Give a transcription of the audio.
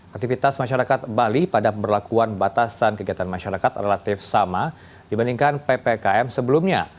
aktivitas masyarakat bali pada pemberlakuan batasan kegiatan masyarakat relatif sama dibandingkan ppkm sebelumnya